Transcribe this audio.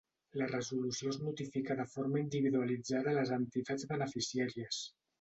La resolució es notifica de forma individualitzada a les entitats beneficiàries.